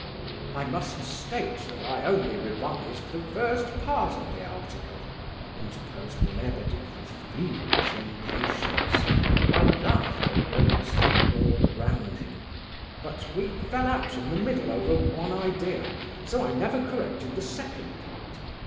"I must state that I only revised the first part of the article," interposed Lebedeff with feverish impatience, while laughter rose from all around him; "but we fell out in the middle over one idea, so I never corrected the second part.